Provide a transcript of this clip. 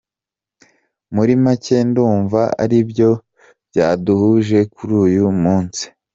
Muri make ndumva aribyo byaduhuje kuri uyu munsi.